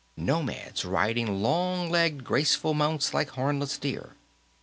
Nomads riding long legged, graceful mounts like hornless deer.